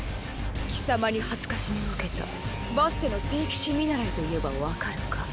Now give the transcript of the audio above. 貴様に辱めを受けたバステの聖騎士見習いと言えば分かるか？